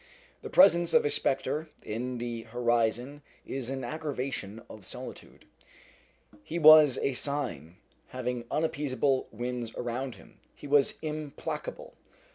The presence of a spectre in the horizon is an aggravation of solitude. He was a Sign. Having unappeasable winds around him, he was implacable.